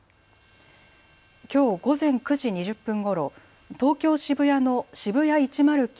きょう午前９時２０分ごろ東京渋谷のＳＨＩＢＵＹＡ１０９